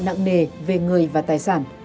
nặng nề về người và tài sản